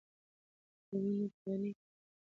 د ونو پاڼې د هوا د غږونو او ککړتیا په کمولو کې رول لري.